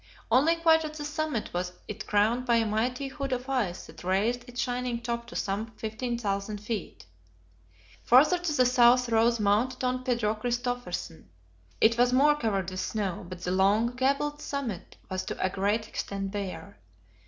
Only quite at the summit was it crowned by a mighty hood of ice that raised its shining top to some 15,000 feet. Farther to the south rose Mount Don Pedro Christophersen; it was more covered with snow, but the long, gabled summit was to a great extent bare.